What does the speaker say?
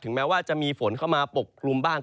แม้ว่าจะมีฝนเข้ามาปกคลุมบ้าง